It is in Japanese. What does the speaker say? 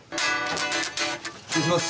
失礼します。